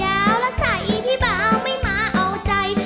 เอาแล้วใส่บ๊าร์ไม่มาอุ่นใจ